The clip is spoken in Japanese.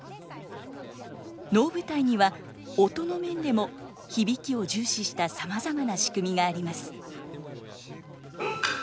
能舞台には音の面でも響きを重視したさまざまな仕組みがあります。